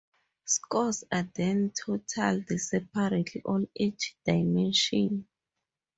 Scores are then totaled separately on each dimension.